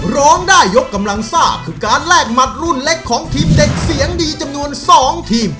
ร้องได้ยกกำลังซ่าคือการแลกหมัดรุ่นเล็กของทีมเด็กเสียงดีจำนวน๒ทีม